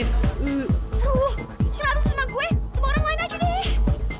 ruh kenapa tuh sama gue sama orang lain aja deh